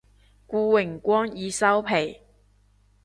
願榮光已收皮